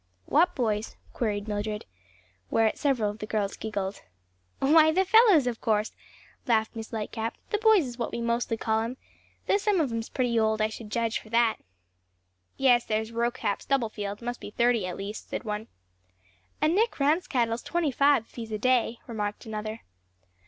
"What boys?" queried Mildred; whereat several of the girls giggled. "Why the fellows, of course," laughed Miss Lightcap; "the boys is what we mostly call 'em; though some of 'em's pretty old, I should judge, for that." "Yes, there's Rocap Stubblefield, must be thirty at least," said one. "And Nick Ransquattle's twenty five if he's a day," remarked another.